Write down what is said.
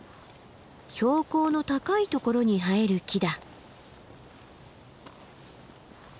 標高の高いところに生える木だ。